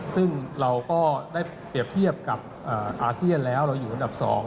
ซึ่งเราก็ได้เปรียบเทียบกับอาเซียนแล้วเราอยู่อันดับ๒